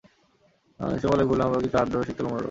গ্রীষ্মকালে খুলনার আবহাওয়া কিছুটা আর্দ্র এবং শীতকালে মনোরম।